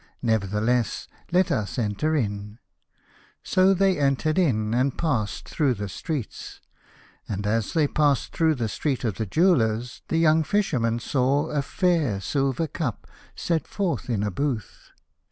Nevertheless let us enter in." So they entered in and passed through the streets, and as they passed through the Street of the Jewellers the young Fisherman saw a fair silver cup set forth in a booth.